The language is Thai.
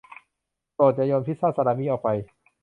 โปรดอย่าโยนพิซซ่าซาลามี่ออกไป